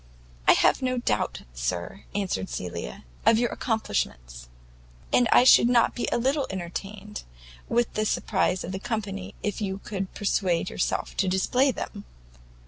"I have no doubt, sir," answered Cecilia, "of your accomplishments; and I should be not a little entertained with the surprize of the company if you could persuade yourself to display them."